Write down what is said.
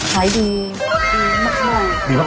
ขายดีดีมาก